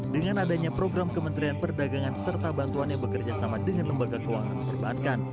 dengan adanya program kementerian perdagangan serta bantuannya bekerja sama dengan lembaga keuangan memperbaatkan